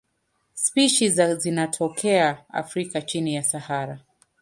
Spishi za zinatokea Afrika chini ya Sahara.